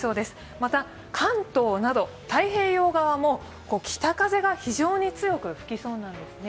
また、関東など太平洋側も北風が非常に強く吹きそうなんですね。